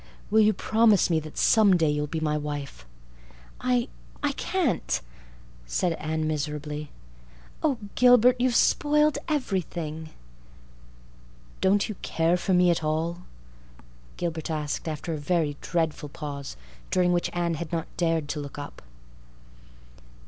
Will you promise me that some day you'll be my wife?" "I—I can't," said Anne miserably. "Oh, Gilbert—you—you've spoiled everything." "Don't you care for me at all?" Gilbert asked after a very dreadful pause, during which Anne had not dared to look up.